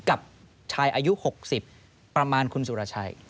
กับชายอายุ๖๐ประมาณคุณสุรชัย